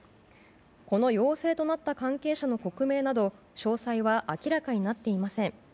この陽性となった関係者の国名など詳細は明らかになっていません。